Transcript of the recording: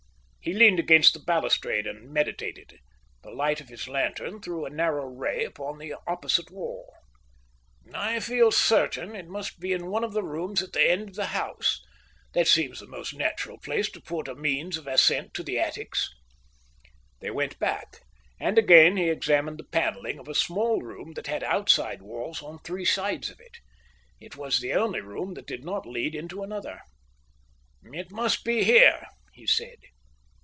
He leaned against the balustrade and meditated. The light of his lantern threw a narrow ray upon the opposite wall. "I feel certain it must be in one of the rooms at the end of the house. That seems the most natural place to put a means of ascent to the attics." They went back, and again he examined the panelling of a small room that had outside walls on three sides of it. It was the only room that did not lead into another. "It must be here," he said.